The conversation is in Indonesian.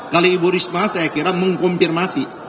kalau ibu risma saya kira mengkonfirmasi